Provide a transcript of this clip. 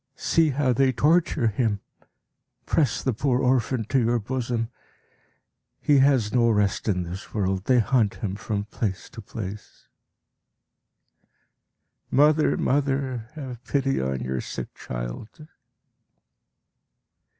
See how they torture him! Press the poor orphan to your bosom! He has no rest in this world; they hunt him from place to place. Mother, mother, have pity on your sick child!